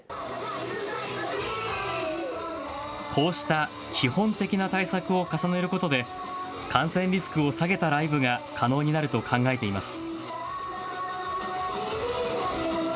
こうした基本的な対策を重ねることで感染リスクを下げたライブが可能になると考えています。